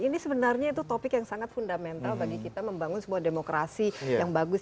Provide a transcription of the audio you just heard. ini sebenarnya itu topik yang sangat fundamental bagi kita membangun sebuah demokrasi yang bagus